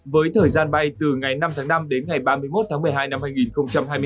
với thời gian bay từ ngày năm tháng năm đến ngày ba mươi một tháng một mươi hai năm hai nghìn hai mươi bốn